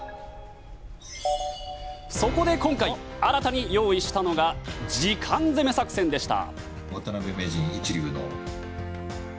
そこで今回、新たに用意したのが時間攻め作戦でした。